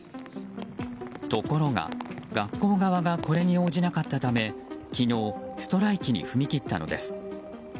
ところが、学校側がこれに応じなかったため昨日、ストライキに踏み切ったのです。